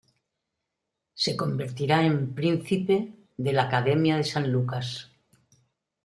Se convertirá en "príncipe" de la Academia de San Lucas.